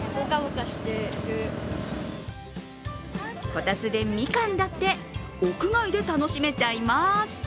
こたつでみかんだって屋外で楽しめちゃいます。